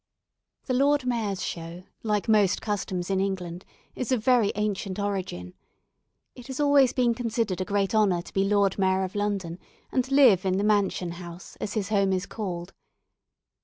The "Lord Mayor's Show," like most customs in England, is of very ancient origin. It has always been considered a great honour to be Lord Mayor of London, and live in the Mansion House, as his home is called.